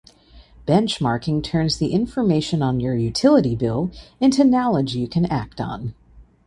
Benchmarking turns the information on your utility bill into knowledge you can act on.